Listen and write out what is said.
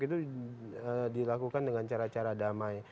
itu dilakukan dengan cara cara damai